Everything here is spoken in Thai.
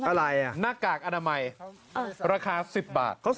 อะไรนะนากากอาธารณมัย